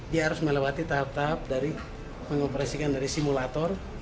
dia harus melewati tahap tahap dari mengoperasikan dari simulator